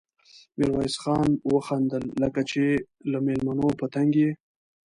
ميرويس خان وخندل: لکه چې له مېلمنو په تنګ يې؟